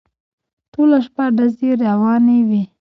ټوله شپه ډزې روانې وې.